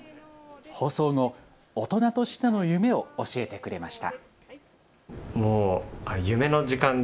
放送後、大人としての夢を教えてくれました。